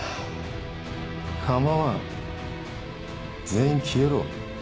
構わん全員消えろ。